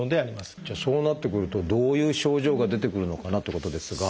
じゃあそうなってくるとどういう症状が出てくるのかなってことですが。